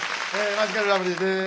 マヂカルラブリーです。